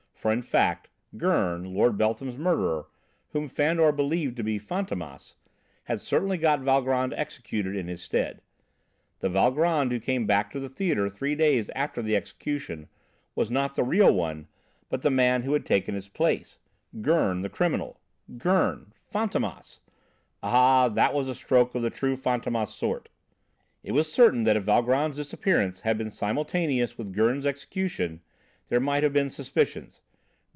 For in fact, Gurn, Lord Beltham's murderer, whom Fandor believed to be Fantômas, had certainly got Valgrand executed in his stead. The Valgrand who came back to the theatre, three days after the execution, was not the real one, but the man who had taken his place Gurn, the criminal, Gurn Fantômas. Ah! that was a stroke of the true Fantômas sort! It was certain that if Valgrand's disappearance had been simultaneous with Gurn's execution, there might have been suspicions.